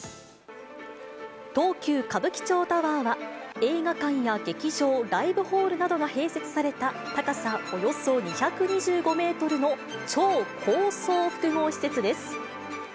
東急歌舞伎町タワーは、映画館や劇場、ライブホールなどが併設された高さおよそ２２５メートルの超高層複合施設です。